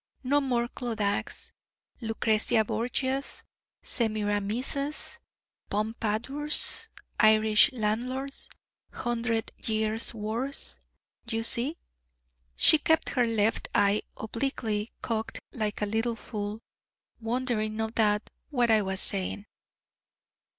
No more Clodaghs, Lucrezia Borgias, Semiramises, Pompadours, Irish Landlords, Hundred Years' Wars you see?' She kept her left eye obliquely cocked like a little fool, wondering, no doubt, what I was saying.